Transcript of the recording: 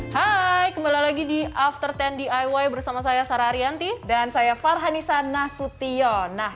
hai kembali lagi di after sepuluh diy bersama saya sarah ariyanti dan saya farhanisa nasution nah